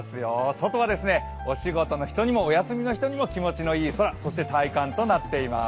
外はお仕事の人にもお休みの人にも気持ちのいい空、そして体感となっています。